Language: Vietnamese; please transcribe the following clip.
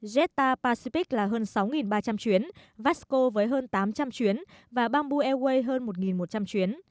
jetta pacific là hơn sáu ba trăm linh chuyến vasco với hơn tám trăm linh chuyến và bamboo airways hơn một một trăm linh chuyến